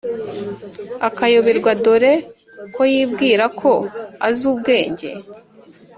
akayoberwa dore ko yibwira ko azi ubwenge”!